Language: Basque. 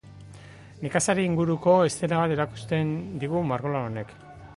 Nekazari inguruko eszena bat erakusten digu margolan honek.